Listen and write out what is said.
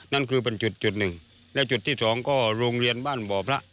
นั่นคือเป็นจุดจุดหนึ่งและจุดที่สองก็โรงเรียนบ้านบ่อพระ